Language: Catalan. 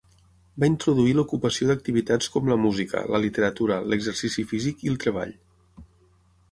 Va introduir l'ocupació d'activitats com la música, la literatura, l'exercici físic i el treball.